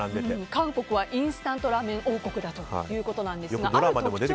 韓国はインスタントラーメン王国だということなんですが